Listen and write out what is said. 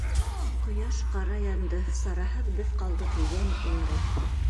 Ҡояш ҡара янды Сараһыҙ беҙ ҡалдыҡ йән иңрәп.